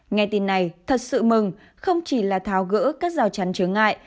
nghe tin này thật sự mừng không chỉ là tháo gỡ các rào chắn trở ngại